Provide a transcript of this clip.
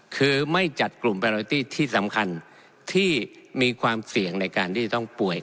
คือไม่จัดกลุ่มปาโรตี้ที่สำคัญที่มีความเสี่ยงในการที่จะต้องป่วย